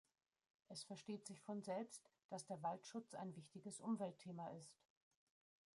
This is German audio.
Es versteht sich von selbst, dass der Waldschutz ein wichtiges Umweltthema ist.